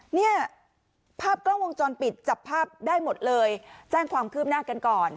เนี่ยภาพกล้องวงจรปิดจับภาพได้หมดเลยแจ้งความคืบหน้ากันก่อน